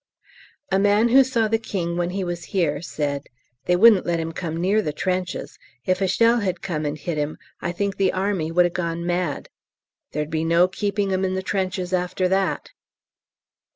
A man who saw the King when he was here said, "They wouldn't let him come near the trenches; if a shell had come and hit him I think the Army would 'a gone mad; there'd be no keeping 'em in the trenches after that."